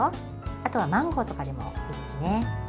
あとはマンゴーとかでもいいですね。